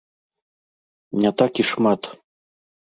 Не так і шмат.